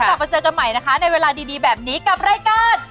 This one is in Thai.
กลับมาเจอกันใหม่นะคะในเวลาดีแบบนี้กับรายการ